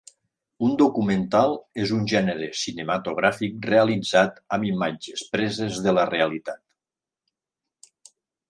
Un documental és un gènere cinematogràfic realitzat amb imatges preses de la realitat.